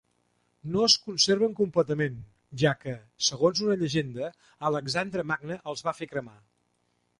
No es conserven completament, ja que, segons una llegenda, Alexandre Magne els va fer cremar.